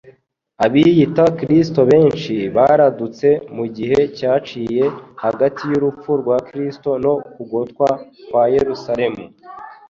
Abiyita Kristo benshi baradutse mu gihe cyaciye hagati y'urupfu rwa Kristo no kugotwa kwa Yerusalemu.